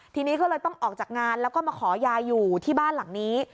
ทีนี้ก็เลยต้องออกจากงานแล้วก็มาขอยายอยู่ที่บ้านหลังนี้